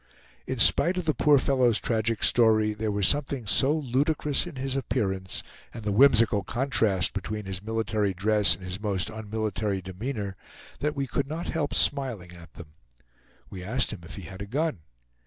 In spite of the poor fellow's tragic story, there was something so ludicrous in his appearance, and the whimsical contrast between his military dress and his most unmilitary demeanor, that we could not help smiling at them. We asked him if he had a gun.